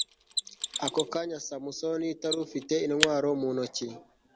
ako kanya samusoni utari ufite intwaro mu ntoki